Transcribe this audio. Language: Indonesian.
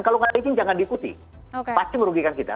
kalau nggak izin jangan diikuti pasti merugikan kita